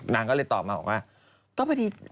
นางก็เลยตอบมาว่า